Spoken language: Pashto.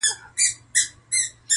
• په هر کور کي د وطن به یې منلی -